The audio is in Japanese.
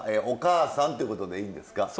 お母さんってことでいいんですか？